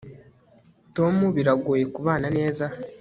tom biragoye kubana neza